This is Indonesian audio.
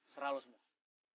serah lo semua